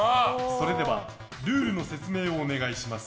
それではルールの説明をお願いします。